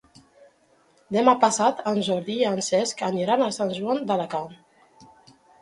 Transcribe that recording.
Demà passat en Jordi i en Cesc aniran a Sant Joan d'Alacant.